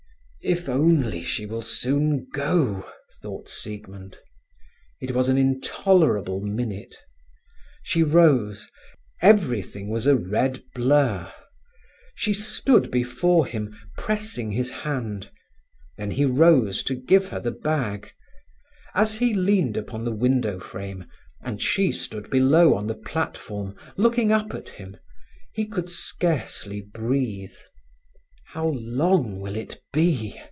"If only she will soon go!" thought Siegmund. It was an intolerable minute. She rose; everything was a red blur. She stood before him, pressing his hand; then he rose to give her the bag. As he leaned upon the window frame and she stood below on the platform, looking up at him, he could scarcely breathe. "How long will it be?"